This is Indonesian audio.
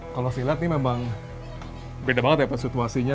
kalau dilihat ini memang beda banget ya situasinya